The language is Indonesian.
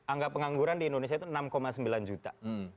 angka pengangguran di indonesia itu enam sembilan juta